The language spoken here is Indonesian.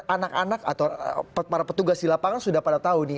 anak anak atau para petugas di lapangan sudah pada tahu nih